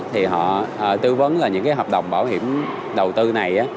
thì họ tư vấn là những cái hợp đồng bảo hiểm đầu tư này